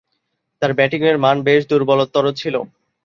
তার ব্যাটিংয়ের মান বেশ দূর্বলতর ছিল।